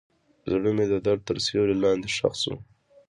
زړه مې د درد تر سیوري لاندې ښخ شو.